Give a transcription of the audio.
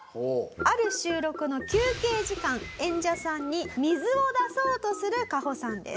ある収録の休憩時間演者さんに水を出そうとするカホさんです。